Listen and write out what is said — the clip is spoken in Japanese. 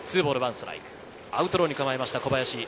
アウトローに構えた小林。